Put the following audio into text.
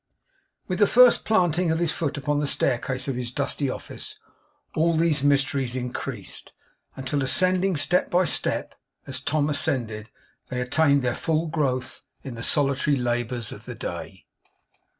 With the first planting of his foot upon the staircase of his dusty office, all these mysteries increased; until, ascending step by step, as Tom ascended, they attained their full growth in the solitary labours of the day.